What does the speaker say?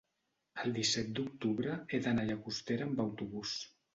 el disset d'octubre he d'anar a Llagostera amb autobús.